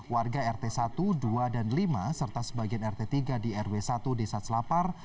warga rt satu dua dan lima serta sebagian rt tiga di rw satu desa celapar